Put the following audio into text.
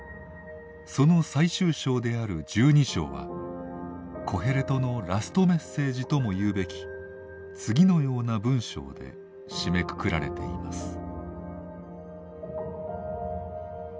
その最終章である１２章はコヘレトのラストメッセージとも言うべき次のような文章で締めくくられています。